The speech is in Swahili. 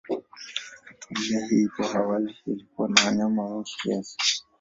Familia hii hapo awali ilikuwa na wanyama wengi kiasi.